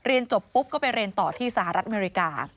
เรียนจบปุ๊บก็ไปเรียนต่อที่สหรัฐอเมริกา